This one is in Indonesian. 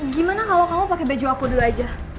gimana kalau kamu pakai baju aku dulu aja